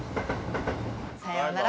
さようなら。